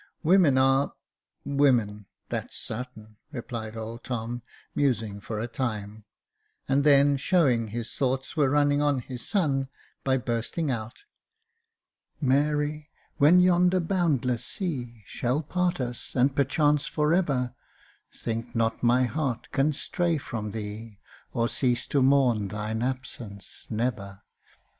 " Women are — women ! that's sartain," replied old Tom, musing for a time, and then showing that his thoughts were running on his son, by bursting out —« Mary, when yonder boundless sea Shall part us, and perchance for ever, Think not my heart can stray from thee. Or cease to mourn thine absence — never